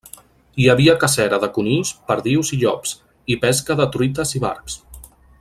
Hi havia cacera, de conills, perdius i llops, i pesca, de truites i barbs.